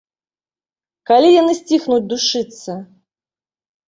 Калі яны сціхнуць душыцца?